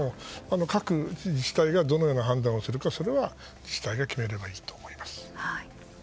各自治体がどのような判断をするかそれは自治体が決めればいいと思います。